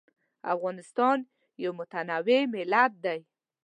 افغانستان یو متنوع ملت دی.